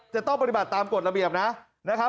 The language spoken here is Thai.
จะต้องปฏิบัติตามกฎระเบียบนะครับ